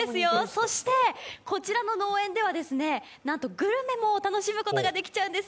そしてこちらの農園ではですね、なんとグルメも楽しむことができちゃうんです。